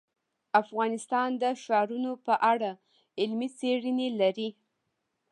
افغانستان د ښارونو په اړه علمي څېړنې لري.